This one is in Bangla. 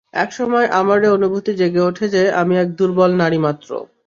এক সময় আমার এ অনুভূতি জেগে ওঠে যে, আমি এক দুর্বল নারী মাত্র।